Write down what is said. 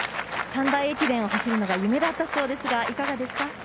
三大駅伝を走るのが夢だったそうですがいかがでした？